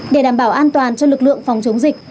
để đảm bảo an toàn cho lực lượng phòng chống dịch